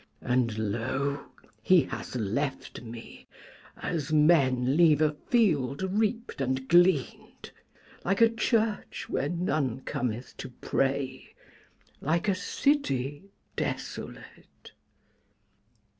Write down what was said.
And lo, he hath left me as men leave a field reaped and gleaned, like a church where none cometh to pray, like a city desolate.'